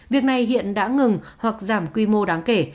việc này hiện đã ngừng hoặc giảm quy mô đáng kể